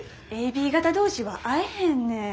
ＡＢ型同士は合えへんねん。